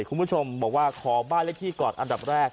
คุณผู้ชมบอกว่าขอบ้านเลขที่ก่อนอันดับแรก